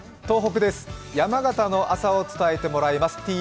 東北です、山形の朝を伝えてもらいます。